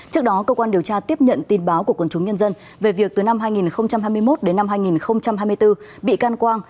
trước đó cơ quan điều tra tiếp nhận tin báo của quân chúng nhân dân về việc từ năm hai nghìn hai mươi một đến năm hai nghìn hai mươi bốn bị can quang